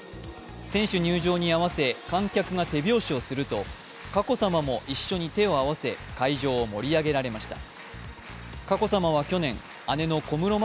選手入場に合わせ観客が手拍子をすると佳子さまも一緒に手を合わせ会場を盛り上げられました。